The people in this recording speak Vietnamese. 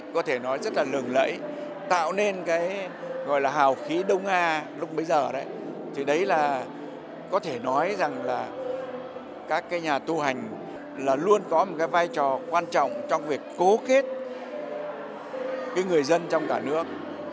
các nhà tu hành luôn có một vai trò quan trọng trong việc cố kết người dân trong cả nước